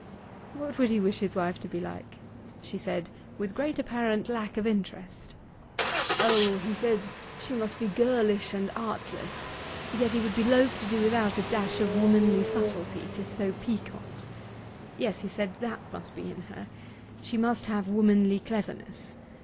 'What would he wish his wife to be like?' she said, with great apparent lack of interest. 'O, he says she must be girlish and artless: yet he would be loth to do without a dash of womanly subtlety, 'tis so piquant. Yes, he said, that must be in her; she must have womanly cleverness.